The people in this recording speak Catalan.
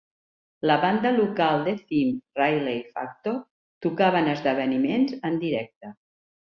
La banda local The Tim Riley Factor tocava en esdeveniments en directe.